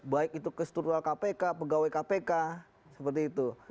baik itu kestrular kpk pegawai kpk seperti itu